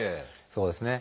そうですね。